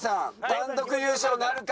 単独優勝なるか？